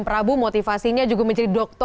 prabu motivasinya juga menjadi dokter